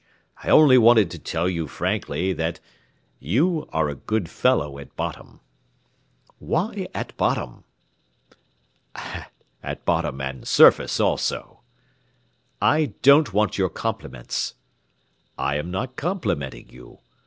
I only wanted to tell you frankly that you are a good fellow at bottom." "Why at bottom?" "At bottom and surface also." "I don't want your compliments." "I am not complimenting you.